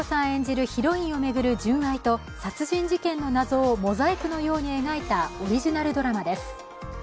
演じるヒロインを巡る純愛と殺人事件の謎をモザイクのように描いたオリジナルドラマです。